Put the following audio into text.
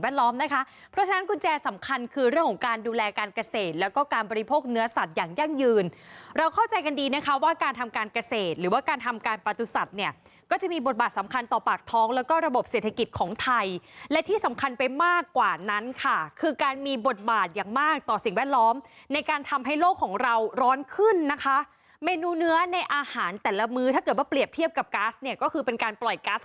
ว่าการทำการเกษตรหรือว่าการทำการปลาตุสัตว์เนี่ยก็จะมีบทบาทสำคัญต่อปากท้องแล้วก็ระบบเศรษฐกิจของไทยและที่สำคัญไปมากกว่านั้นค่ะคือการมีบทบาทอย่างมากต่อสิ่งแวดล้อมในการทำให้โลกของเราร้อนขึ้นนะคะเมนูเนื้อในอาหารแต่ละมือถ้าเกิดว่าเปรียบเทียบกับกาสเนี่ยก็คือเป็นการปล่อย